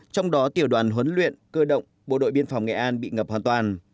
trong đó tiểu đoàn huấn luyện cơ động bộ đội biên phòng nghệ an bị ngập hoàn toàn